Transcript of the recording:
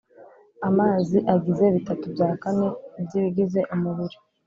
amazi agize bitatu bya kane by’ibigize umubiri